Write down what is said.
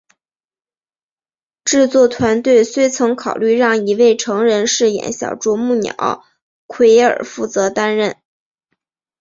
制作团队虽曾考虑让一位成人饰演小啄木鸟奎尔负责担任。